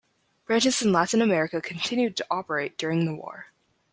Branches in Latin America continued to operate during the war.